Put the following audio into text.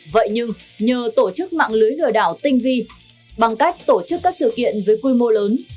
vậy nhưng nhờ tổ chức mạng lưới lừa đảo tinh vi bằng cách tổ chức các sự kiện với quy mô lớn